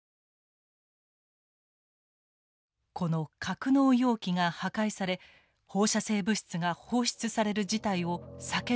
この格納容器が破壊され放射性物質が放出される事態を避けることができるのか？